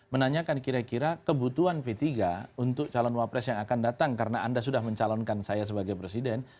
menanyakan kira kira kebutuhan p tiga untuk calon wapres yang akan datang karena anda sudah mencalonkan saya sebagai presiden